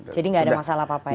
jadi enggak ada masalah apa apa ya